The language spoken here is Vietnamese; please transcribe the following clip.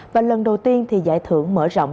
và lần đầu tiên giải thưởng mở rộng